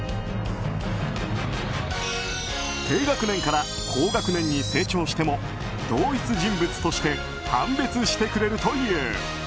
低学年から高学年に成長しても同一人物として判別してくれるという。